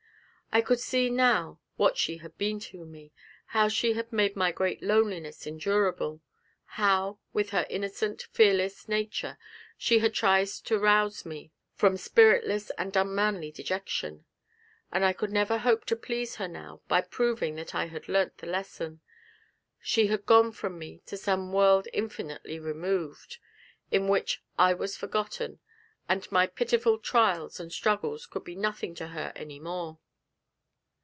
I could see now what she had been to me; how she had made my great loneliness endurable; how, with her innocent, fearless nature, she had tried to rouse me from spiritless and unmanly dejection. And I could never hope to please her now by proving that I had learnt the lesson; she had gone from me to some world infinitely removed, in which I was forgotten, and my pitiful trials and struggles could be nothing to her any more!